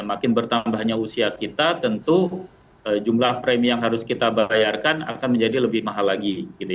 makin bertambahnya usia kita tentu jumlah premi yang harus kita bayarkan akan menjadi lebih mahal lagi